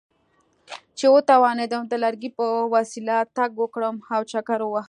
چې وتوانېدم د لرګي په وسیله تګ وکړم او چکر ووهم.